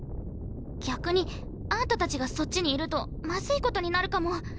逆にあんたたちがそっちにいるとまずいことになるかも。